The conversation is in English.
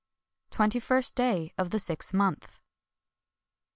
The twenty Jirst day of the Sixth Month.